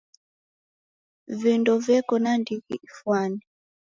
Vindo veko na ndighi ifwane .